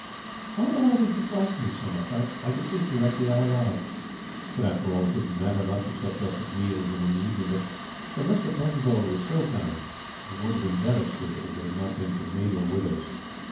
I wonder why they disliked me so much. I could see it directly I arrived; but, after all, it didn't matter much, except just at meals and in the evening. But though Mr. Penfold was so kind, it would have been very stupid if it had not been for Mabel Withers.